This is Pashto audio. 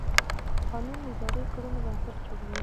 قانون د اداري کړنو بنسټ جوړوي.